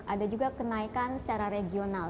ada juga kenaikan secara regional